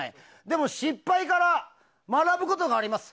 でも、失敗から学ぶことがあります。